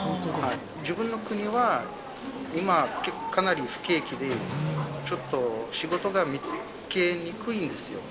自分の国は今、かなり不景気で、ちょっと仕事が見つけにくいんですよ。